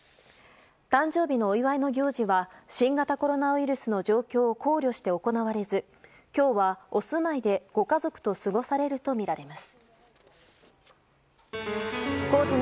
誕生日のお祝いの行事は新型コロナウイルスの状況を考慮して行われず今日はお住まいでご家族と過ごされるとみられます。